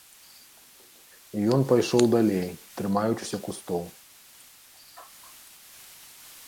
І ён пайшоў далей, трымаючыся кустоў.